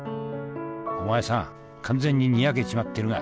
お前さん、完全ににやけちまっているな。